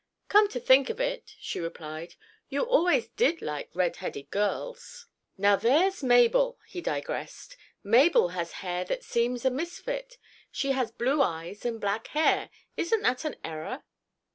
"Come to think of it," she replied, "you always did like red headed girls." "Now there's Mabel," he digressed, "Mabel has hair that seems a misfit—she has blue eyes and black hair. Isn't that an error?"